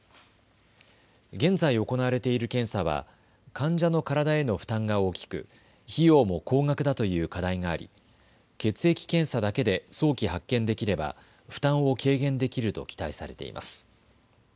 現在行われている検査は患者の体への負担が大きく費用も高額だという課題があり血液検査だけで早期発見できれば負担を軽減できると期待されています。